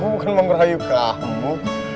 aku bukan mau ngerayu kamu